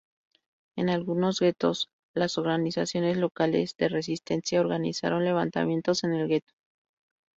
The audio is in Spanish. En algunos guetos, las organizaciones locales de resistencia organizaron levantamientos en el gueto.